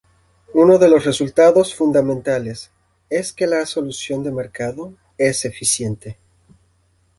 Uno de los resultados fundamentales es que la solución de mercado es eficiente.